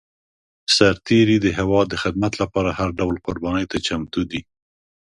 سرتېری د هېواد د خدمت لپاره هر ډول قرباني ته چمتو دی.